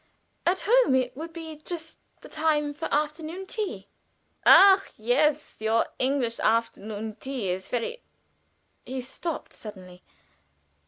"At home it would be just the time for afternoon tea." "Ah, yes! Your English afternoon tea is very " He stopped suddenly.